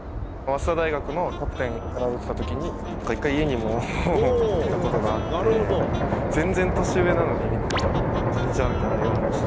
早稲田大学のキャプテンをしていたときに、一回、家にも来たことがあって、全然年上なのに、こんにちはみたいな言われました。